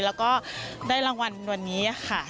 แล้วก็ได้รางวัลวันนี้ค่ะ